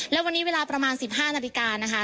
และวันนี้เวลาประมาณ๑๕นาฬิกานะคะ